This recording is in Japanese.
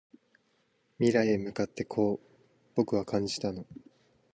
未来へ向かってこう僕は感じたの